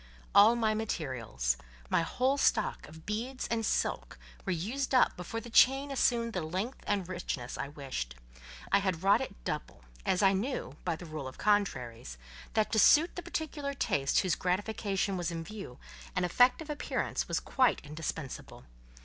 All my materials—my whole stock of beads and silk—were used up before the chain assumed the length and richness I wished; I had wrought it double, as I knew, by the rule of contraries, that to, suit the particular taste whose gratification was in view, an effective appearance was quite indispensable.